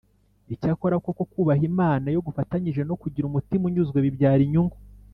Icyakora koko kubaha Imana iyo gufatanije no kugira umutima unyuzwe bibyara inyungu